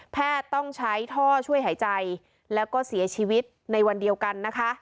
แพทย์ต้องใช้ท่อช่วยหายใจและเสียชีวิตในวันเดียวกัน